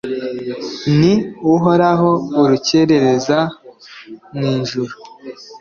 ni uhoraho, urukerereza mu ijuru